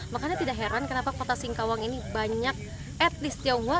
makanya tidak heran kenapa kota singkawang ini banyak at least tionghoa